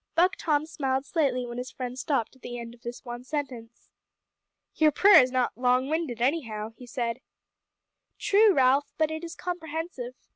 Buck Tom smiled slightly when his friend stopped at the end of this one sentence. "Your prayer is not long winded, anyhow!" he said. "True, Ralph, but it is comprehensive.